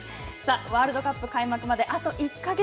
ワールドカップ開幕まであと１か月。